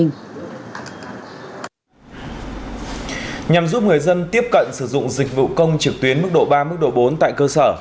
nhằm giúp người dân tiếp cận sử dụng dịch vụ công trực tuyến mức độ ba mức độ bốn tại cơ sở